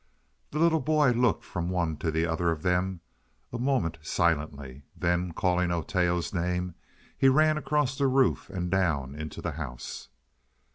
The little boy looked from one to the other of them a moment silently. Then, calling Oteo's name, he ran across the roof and down into the house.